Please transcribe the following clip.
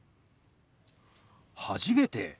初めて？